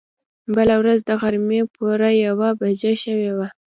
بله ورځ د غرمې پوره يوه بجه شوې وه.